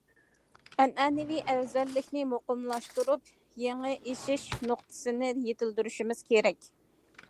ئەنئەنىۋى ئەۋزەللىكنى مۇقىملاشتۇرۇپ، يېڭى ئېشىش نۇقتىسىنى يېتىلدۈرۈشىمىز كېرەك.